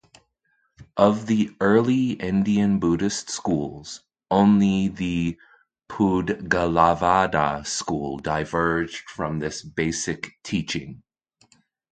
Of the early Indian Buddhist schools, only the Pudgalavada-school diverged from this basic teaching.